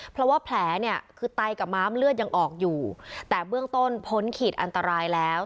เพราะว่าแผลเนี่ยคือไตกับม้ามเลือดยังออกอยู่แต่เบื้องต้นพ้นขีดอันตรายแล้ว